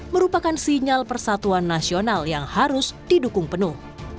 merupakan sinyal persatuan nasional yang harus didukung penuh